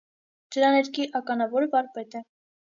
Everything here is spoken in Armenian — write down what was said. Ջրաներկի ականավոր վարպետ է։